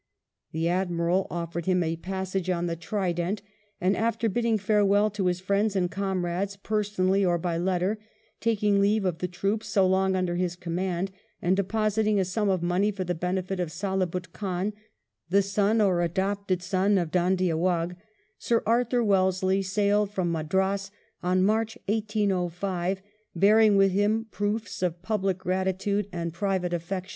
The Admiral offered him a passage on the Tridenty and after bidding farewell to his friends and comrades personally, or by letter, taking leave of the troops so long under his command, and depositing a sum of money for the benefit of Salabut Khan, the son or adopted son of Dhoondiah Waugh, Sir Arthur Wellesley sailed from Madras in March, 1805, bearing with him proofs of public gratitude and private affection.